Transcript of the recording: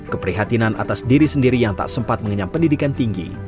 keprihatinan atas diri sendiri yang tak sempat mengenyam pendidikan tinggi